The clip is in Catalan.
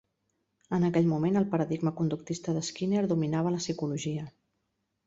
En aquell moment, el paradigma conductista de Skinner dominava la psicologia.